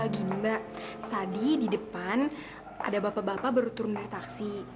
gini mbak tadi di depan ada bapak bapak baru turun dari taksi